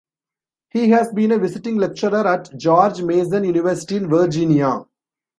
He has been a visiting lecturer at George Mason University in Virginia.